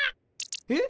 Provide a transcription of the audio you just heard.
えっ。